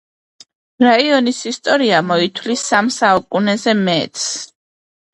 რაიონის ისტორია მოითვლის სამ საუკუნეზე მეტს.